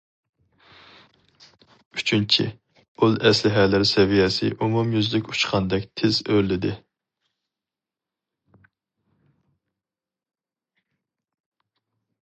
ئۈچىنچى، ئۇل ئەسلىھەلەر سەۋىيەسى ئومۇميۈزلۈك ئۇچقاندەك تېز ئۆرلىدى.